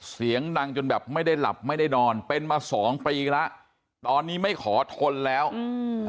เสียงดังจนแบบไม่ได้หลับไม่ได้นอนเป็นมาสองปีแล้วตอนนี้ไม่ขอทนแล้วอืม